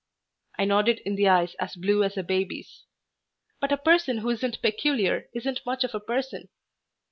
I nodded in the eyes as blue as a baby's. "But a person who isn't peculiar isn't much of a person.